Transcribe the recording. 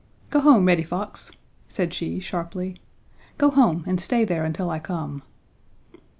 "Go home, Reddy Fox," said she, sharply, "go home and stay there until I come."